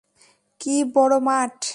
কী বড় মাঠ!